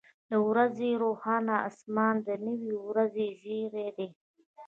• د ورځې روښانه اسمان د نوې ورځې زیری دی.